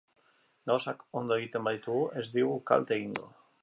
Gauzak ondo egiten baditugu ez digu kalte egingo.